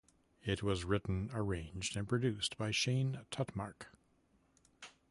It was written, arranged, and produced by Shane Tutmarc.